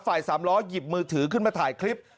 สามล้อหยิบมือถือขึ้นมาถ่ายคลิป